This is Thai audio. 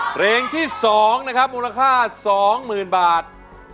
เพลงที่๒นะครับมูลค่า๒๐๐๐บาท